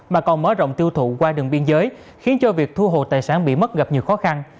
mà còn mở rộng tiêu thụ qua đường biên giới khiến cho việc thu hồ tài sản bị mất gặp nhiều khó khăn